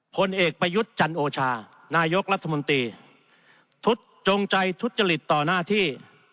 คนเอกประยุทธ์จันโอชานายกรัฐมนตรี